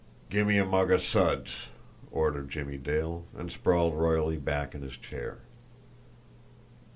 "Gimme a mug o' suds!" ordered Jimmie Dale, and sprawled royally back in his chair.